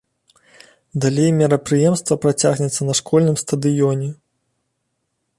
Далей мерапрыемства працягнецца на школьным стадыёне.